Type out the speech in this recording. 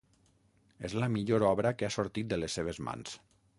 És la millor obra que ha sortit de les seves mans.